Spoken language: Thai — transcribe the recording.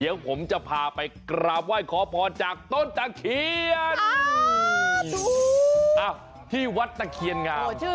เดี๋ยวผมจะพาไปกราบไหว้ขอพอจากต้นตะเคียน